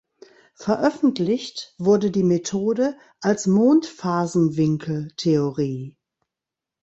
Veröffentlicht wurde die Methode als Mondphasenwinkel-Theorie.